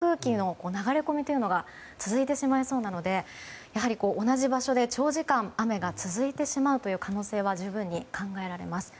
やはり前線に向かって暖かく湿った空気の流れ込みというのが続いてしまいそうなのでやはり同じ場所で長時間雨が続いてしまうという可能性は十分に考えられます。